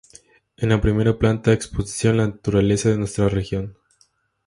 En la primera planta, exposición ""La naturaleza de nuestra región"".